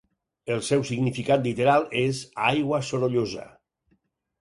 El seu significat literal és "aigua sorollosa".